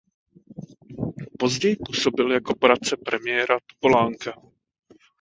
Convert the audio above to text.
Později působil jako poradce premiéra Topolánka.